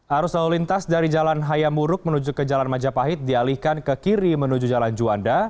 arus lalu lintas dari jalan hayamuruk menuju ke jalan majapahit dialihkan ke kiri menuju jalan juanda